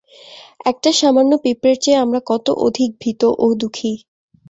একটা সামান্য পিঁপড়ের চেয়ে আমরা কত অধিক ভীত ও দুঃখী।